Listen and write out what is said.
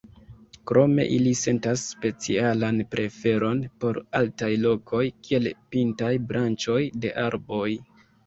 Krome ili sentas specialan preferon por altaj lokoj, kiel pintaj branĉoj de arboj.